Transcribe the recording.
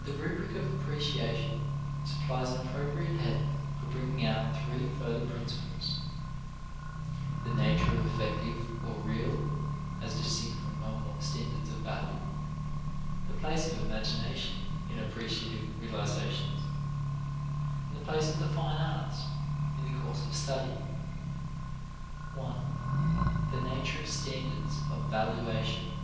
The rubric of appreciation supplies an appropriate head for bringing out three further principles: the nature of effective or real (as distinct from nominal) standards of value; the place of the imagination in appreciative realizations; and the place of the fine arts in the course of study. 1. The nature of standards of valuation.